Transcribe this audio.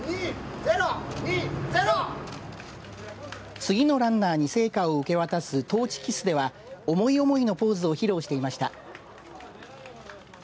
次のランナーに聖火を受け渡すトーチキスでは思い思いのポーズを披露していました。